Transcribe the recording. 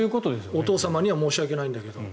お父様には申し訳ないんだけども。